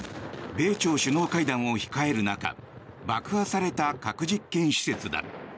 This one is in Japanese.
米朝首脳会談を控える中爆破された核実験施設だ。